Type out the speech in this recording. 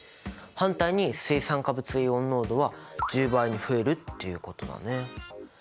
反対に水酸化物イオン濃度は１０倍に増えるっていうことだね。